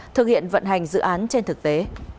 thực hiện vận hành dự án trên thực tế